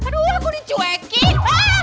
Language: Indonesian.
aduh aku dicuekin